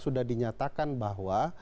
sudah dinyatakan bahwa